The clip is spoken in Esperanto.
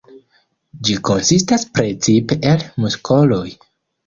Ĝi konsistas precipe el muskoloj.